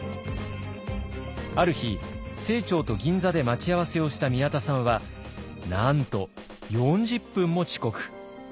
ある日清張と銀座で待ち合わせをした宮田さんはなんと４０分も遅刻。